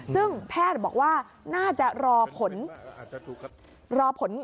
ซึ่งแพทย์บอกว่าน่าจะรอผลรอผล